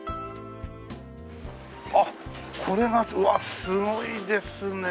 あっこれがうわあすごいですね。